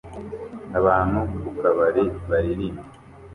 abantu ku kabari baririmba